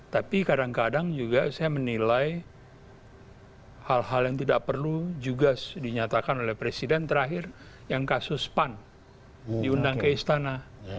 tapi kadang kadang juga saya menilai hal hal yang tidak perlu juga dinyatakan oleh presiden terakhir yang kasus pan diundang ke istana